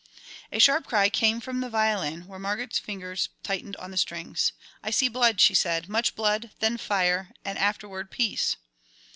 A sharp cry came from the violin, where Margaret's fingers tightened on the strings. "I see blood," she said, "much blood, then fire, and afterward peace."